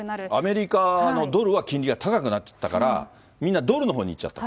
アメリカのドルは金利が高くなってきたから、みんなドルのほうにいっちゃった。